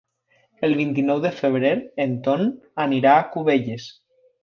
El vint-i-nou de febrer en Ton anirà a Cubelles.